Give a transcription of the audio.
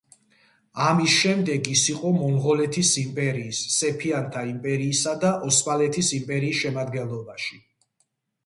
ამის შემდეგ, ის იყო მონღოლეთის იმპერიის, სეფიანთა იმპერიისა და ოსმალეთის იმპერიის შემადგენლობაში.